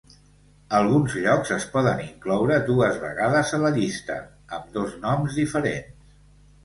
Alguns llocs es poden incloure dues vegades a la llista, amb dos noms diferents.